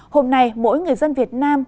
hôm nay mỗi người dân việt nam